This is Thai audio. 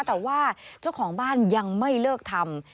แต่ว่าเจ้าของบ้านยังไม่เลิกทำ